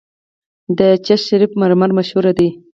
د چشت شریف مرمر مشهور دي